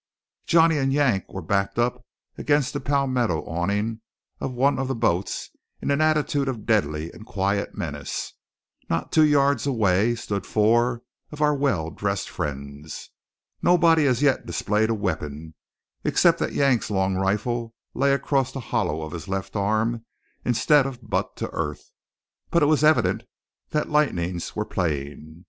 Johnny and Yank were backed up against the palmetto awning of one of the boats in an attitude of deadly and quiet menace. Not two yards away stood four of our well dressed friends. Nobody as yet displayed a weapon, except that Yank's long rifle lay across the hollow of his left arm instead of butt to earth; but it was evident that lightnings were playing.